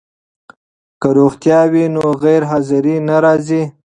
که روغتیا وي نو غیرحاضري نه راځي.